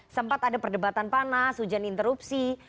sempat ada perdebatan panas hujan interupsi